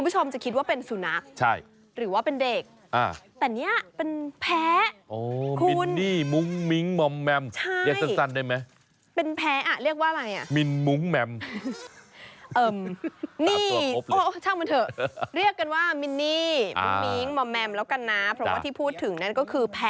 ทำมาเถอะเรียกกันว่ามินนี่มุ้งมีงมอมแมมละกันนะ